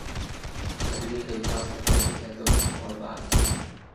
تبلیغ الفاظ تک رہتی تو اور بات تھی۔